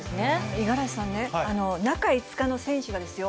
五十嵐さんね、中５日の選手がですよ。